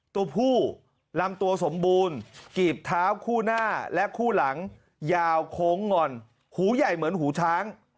ตัวผู้ลำตัวสมบูรณ์กีบเท้าคู่หน้าและคู่หลังยาวโค้งงอนหูใหญ่เหมือนหูช้าง